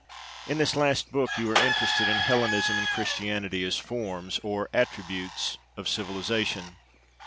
In this last book you are interested in Hellenism and Christianity as forms or attributes of 'civilization.'